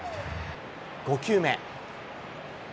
５球目。